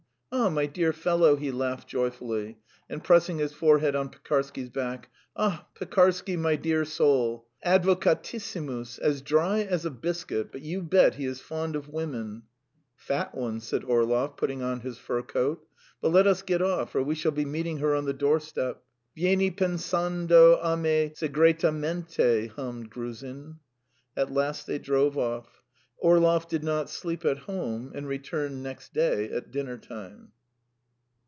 Ah, my dear fellow!" he laughed joyfully, and pressing his forehead on Pekarsky's back. "Ah, Pekarsky, my dear soul! Advocatissimus as dry as a biscuit, but you bet he is fond of women. ..." "Fat ones," said Orlov, putting on his fur coat. "But let us get off, or we shall be meeting her on the doorstep." "Vieni pensando a me segretamente, hummed Gruzin. At last they drove off: Orlov did not sleep at home, and returned next day at dinner time.